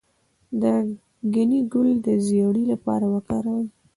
د ګنی ګل د زیړي لپاره وکاروئ